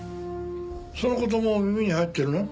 その事も耳に入ってるの？